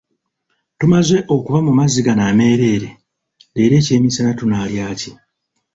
Tumaze okuba mu mazzi gano ameereere, leero eky'emisana tunaalya ki?